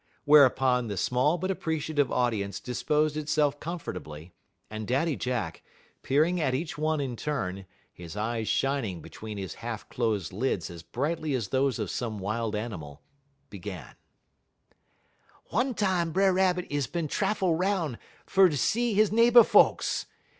Whereupon, the small but appreciative audience disposed itself comfortably, and Daddy Jack, peering at each one in turn, his eyes shining between his half closed lids as brightly as those of some wild animal, began: "One tam B'er Rabbit is bin traffel 'roun' fer see 'e neighbor folks.